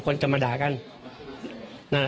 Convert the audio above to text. ก็เลยขับรถไปมอบตัว